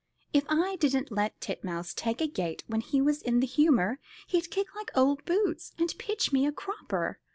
If I didn't let Titmouse take a gate when he was in the humour, he'd kick like old boots, and pitch me a cropper.